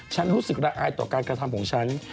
ฉันรู้สึกระอายต่อการกระทำของฉัน